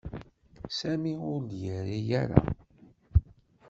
Sami ur d-yerri ara.